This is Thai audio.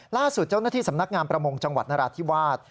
ล่าสุดเจ้าหน้าที่สำนักงามประมงจังหวัดนราธิวาส